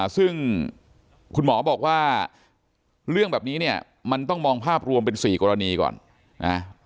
ซึ่งคุณหมอบอกว่าเรื่องแบบนี้เนี่ยมันต้องมองภาพรวมเป็น๔กรณีก่อนนะ